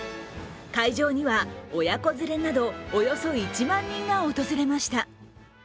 会場には親子連れなどおよそ１万人が訪れました。